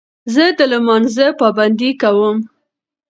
زه د لمانځه پابندي کوم.